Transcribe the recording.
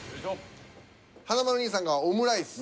華丸兄さんが「オムライス」。